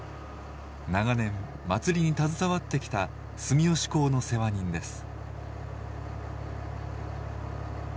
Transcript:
長年祭りに携わってきた住吉講の世話人です。